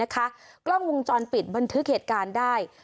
กล้องวงจรปิดบันทึกเหตุการณ์ได้